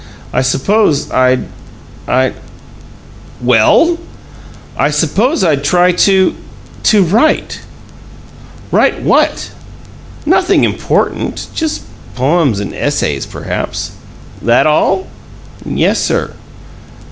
"I suppose I'd I'd " "Well?" "I suppose I'd try to to write." "Write what?" "Nothing important just poems and essays, perhaps." "That all?" "Yes, sir."